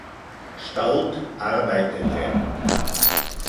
Staudt arbeitete.